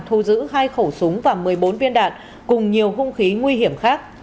thu giữ hai khẩu súng và một mươi bốn viên đạn cùng nhiều hung khí nguy hiểm khác